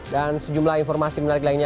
dan sejumlah informasi menarik lainnya